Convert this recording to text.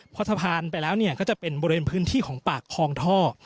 เพราะสะพานไปแล้วก็จะเป็นบริเวณพื้นที่ของป่าคองท่อ